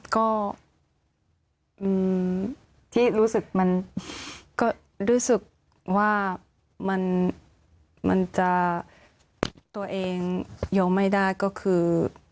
ก็ที่รู้สึกมันก็รู้สึกว่ามันจะตัวเองยอมไม่ได้ก็คือ